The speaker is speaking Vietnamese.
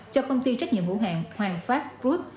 cho công ty trách nhiệm hữu hạng hoàng phát group